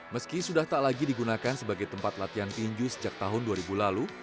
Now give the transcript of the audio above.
meski sudah tak lagi digunakan sebagai tempat latihan tinju sejak tahun dua ribu lalu